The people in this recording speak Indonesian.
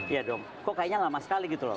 iya dong kok kayaknya lama sekali gitu loh